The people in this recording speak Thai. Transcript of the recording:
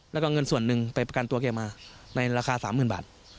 แล้วก็เงินส่วนหนึ่งไปประกันตัวแกมาในราคา๓๐๐๐บาท